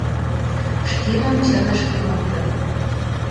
Шкемым чынышке луктын